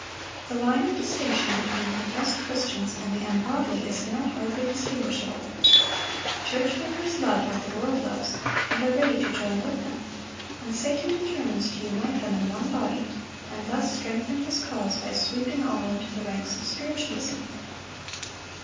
The line of distinction between professed Christians and the ungodly is now hardly distinguishable. Church members love what the world loves, and are ready to join with them; and Satan determines to unite them in one body, and thus strengthen his cause by sweeping all into the ranks of Spiritualism.